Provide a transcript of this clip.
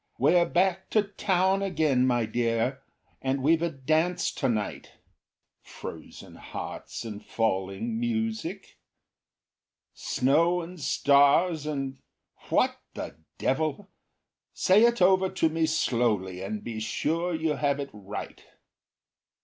We're back to town again, my dear, and we've a dance tonight. Frozen hearts and falling music? Snow and stars, and what the devil! Say it over to me slowly, and be sure you have it right."